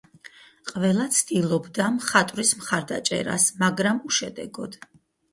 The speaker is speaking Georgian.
ყველა ცდილობდა მხატვრის მხარდაჭერას, მაგრამ უშედეგოდ.